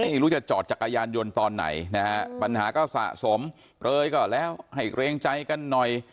ไม่รู้จะจอดจักรยานยนต์ตอนไหนนะฮะปัญหาก็สะสมเปลยก่อนแล้วให้เกรงใจกันหน่อย